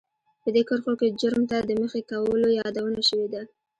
په دې کرښو کې جرم ته د مخې کولو يادونه شوې ده.